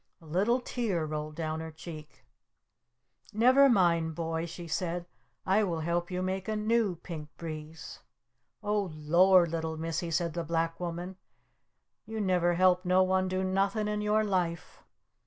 A little tear rolled down her cheek. "Never mind, Boy," she said. "I will help you make a new Pink Breeze!" "Oh Lor, Little Missy," said the Black Woman. "You never helped no one do nothin' in your life!"